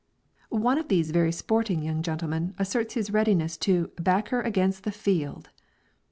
One of these very sporting young gentlemen asserts his readiness to "back her against the field."